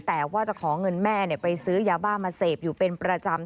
แต่ว่าจะขอเงินแม่ไปซื้อยาบ้ามาเสพอยู่เป็นประจำ